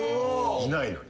いないのに。